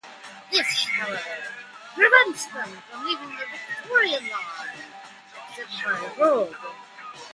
This, however, prevents them from leaving the Victoria line, except by road.